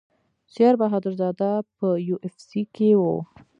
سیر بهادر زاده په یو اف سي کې و.